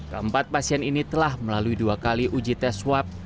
keempat pasien ini telah melalui dua kali uji tes swab